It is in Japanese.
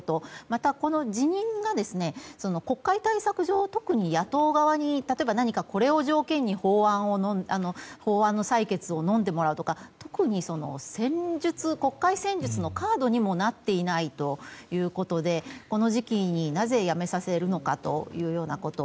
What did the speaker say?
また、この辞任が国会対策上は特に野党側に例えば、何かこれを条件に法案の採決をのんでもらうとか特に国会戦術のカードにもなっていないということでこの時期になぜ辞めさせるのかというようなこと。